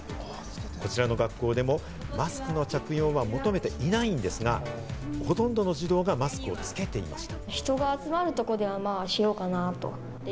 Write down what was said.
こちらの学校でもマスクの着用は求めていないんですが、ほとんどの児童がマスクをつけていました。